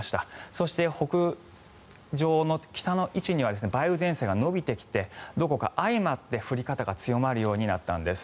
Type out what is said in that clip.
そして、北の位置には梅雨前線が延びてきて相まって降り方が強まるようになったんです。